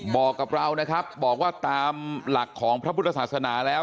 บอกกับเรานะครับบอกว่าตามหลักของพระพุทธศาสนาแล้ว